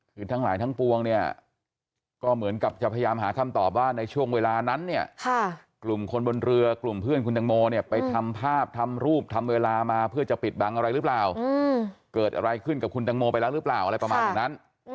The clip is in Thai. คือทั้งหลายทั้งปวงเนี่ยก็เหมือนกับจะพยายามหาคำตอบว่าในช่วงเวลานั้นเนี่ยกลุ่มคนบนเรือกลุ่มเพื่อนคุณตังโมเนี่ยไปทำภาพทำรูปทำเวลามาเพื่อจะปิดบังอะไรหรือเปล่าเกิดอะไรขึ้นกับคุณตังโมไปแล้วหรือเปล่าอะไรประมาณอย่างนั้น